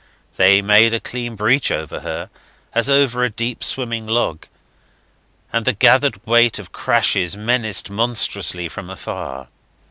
They made a clean breach over her, as over a deep swimming log; and the gathered weight of crashes menaced monstrously from afar.